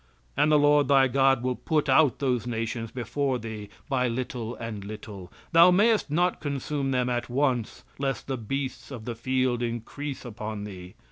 "And the Lord thy God will put out those nations before thee by little and little; thou mayest not consume them at once, lest the beasts of the field increase upon thee.